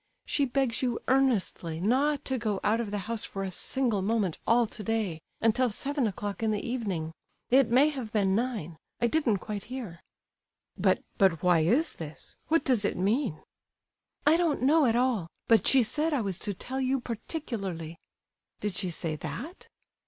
She begs you earnestly not to go out of the house for a single moment all to day, until seven o'clock in the evening. It may have been nine; I didn't quite hear." "But—but, why is this? What does it mean?" "I don't know at all; but she said I was to tell you particularly." "Did she say that?"